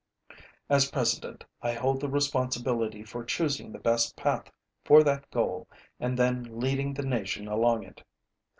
As President I hold the responsibility for choosing the best path for that goal and then leading the nation along it.